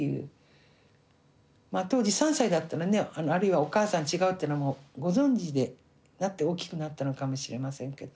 当時３歳だったらねあるいはお母さん違うっていうのもご存じで大きくなったのかもしれませんけど。